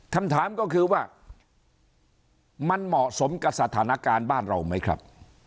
คำถามก็คือว่ามันเหมาะสมกับสถานการณ์บ้านเราไหมครับ